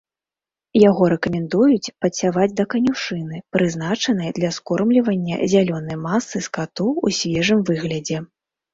Яго рэкамендуюць падсяваць да канюшыны, прызначанай для скормлівання зялёнай масы скату ў свежым выглядзе.